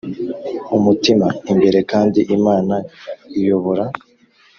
umutima imbere, kandi imana iyobora!